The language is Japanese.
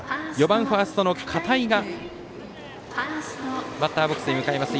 ４番、ファーストの片井がバッターボックスに向かいます。